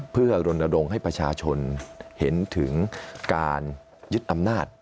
เพื่อรณรงค์ให้ประชาชนเห็นถึงการยึดอำนาจ